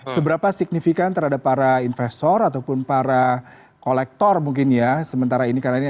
seberapa signifikan terhadap para investor ataupun para kolektor mungkin ya sementara ini karena ini